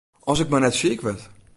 As ik mar net siik wurd!